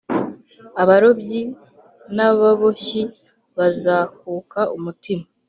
Abarobyi n ababoshyi bazakuka umutima